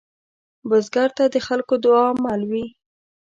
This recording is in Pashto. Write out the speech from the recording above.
بزګر ته د خلکو دعاء مل وي